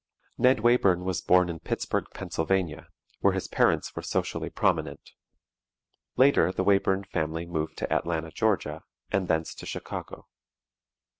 Ned Wayburn was born in Pittsburgh, Pennsylvania, where his parents were socially prominent. Later the Wayburn family moved to Atlanta, Georgia, and thence to Chicago.